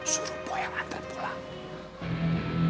suruh boy yang antar pulang